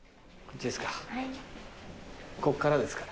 こっからですか。